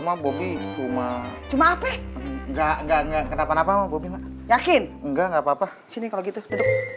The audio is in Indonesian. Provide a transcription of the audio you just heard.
mau bobi cuma cuma hp enggak enggak kenapa kenapa ngakuin enggak enggak apa apa sini kalau gitu